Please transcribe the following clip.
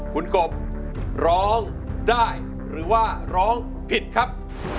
คุณกบร้องได้หรือว่าร้องผิดครับ